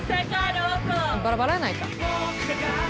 バラバラやないか。